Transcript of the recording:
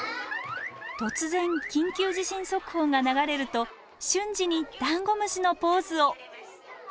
突然緊急地震速報が流れると瞬時にダンゴムシのポーズを。